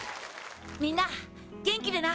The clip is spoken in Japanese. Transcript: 「みんな元気でな」